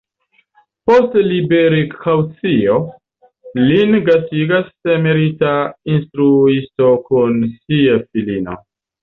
Post liberigkaŭcio, lin gastigas emerita instruisto kun sia filino.